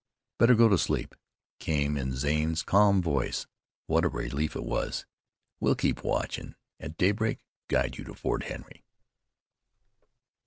"Better go to sleep," came in Zane's calm voice. What a relief it was! "We'll keep watch, an' at daybreak guide you to Fort Henry."